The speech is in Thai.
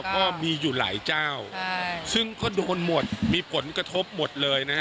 ก็มีอยู่หลายเจ้าซึ่งก็โดนหมดมีผลกระทบหมดเลยนะฮะ